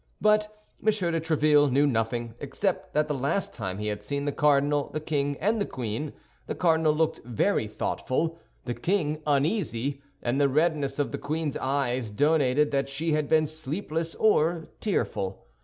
But M. de Tréville knew nothing, except that the last time he had seen the cardinal, the king, and the queen, the cardinal looked very thoughtful, the king uneasy, and the redness of the queen's eyes donated that she had been sleepless or tearful.